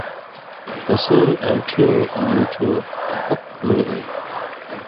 تسِیں آنڇھیُوں مُوٹھیُوں تھپ تَمئ اے تھی۔